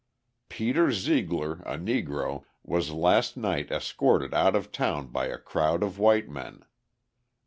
Peter Zeigler, a Negro, was last night escorted out of town by a crowd of white men.